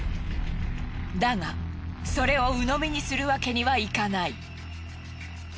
だがそれをうのみにするわけにはいかない。